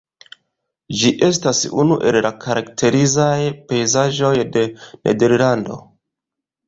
Ĝi estas unu el la karakterizaj pejzaĝoj de Nederlando.